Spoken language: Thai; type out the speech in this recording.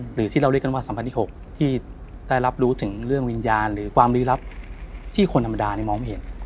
หรือที่เราเรียกกันว่าสัมพันธ์ที่๖ที่ได้รับรู้ถึงเรื่องวิญญาณหรือความลี้ลับที่คนธรรมดามองไม่เห็น